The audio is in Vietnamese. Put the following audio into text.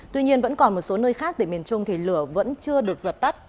tuy nhiên vẫn còn một số nơi khác từ miền trung thì lửa vẫn chưa được dập tắt